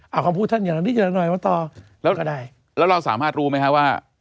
เอาคำพูดท่านเยอะหน่อยมาต่อก็ได้แล้วเราสามารถรู้ไหมครับว่า